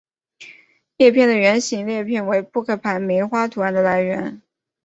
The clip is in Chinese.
叶片的圆形裂片为扑克牌梅花图案的来源。